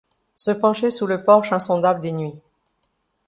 Se pencher sous le porche insondable des nuits